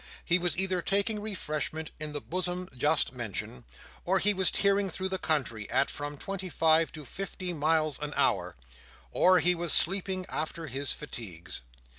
He was either taking refreshment in the bosom just mentioned, or he was tearing through the country at from twenty five to fifty miles an hour, or he was sleeping after his fatigues.